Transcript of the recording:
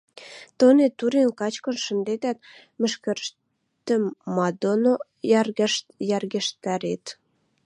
— Тонет турим качкын шӹндетӓт, мӹшкӹретӹм ма доно йӓргештӓрет?